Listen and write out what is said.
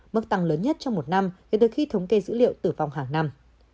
mức tăng lớn nhất trong một năm kể từ khi thống kê dữ liệu tử vong hàng năm